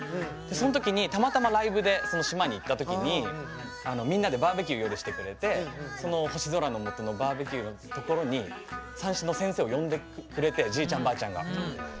そのときにたまたまライブで島に行ったときにみんなでバーベキューを夜してくれてその星空のもとのバーベキューのところに三線の先生を呼んでくれてじいちゃん、ばあちゃんが。